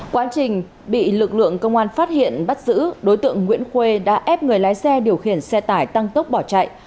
quá trình bị lực lượng công an phát hiện bắt giữ đối tượng nguyễn khuê đã ép người lái xe điều khiển xe tải tăng tốc bỏ chạy